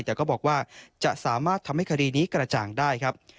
แต่ก็บอกว่าจะสามารถทำให้คดีนี้กระจ่างได้ครับ